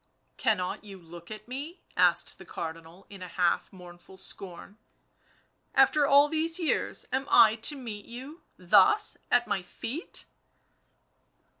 " Cannot you look at me ?" asked the Cardinal in a half mournful scorn; " after all these years am I to meet you — thus? At my feet!"